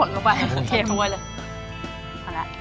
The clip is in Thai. น้ำเพจสบาย